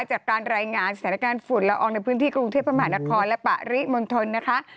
จากการรายงานสถานการณ์ฝุ่นละอองในพื้นที่กรุงเทพมหานครและปริมณฑลนะคะ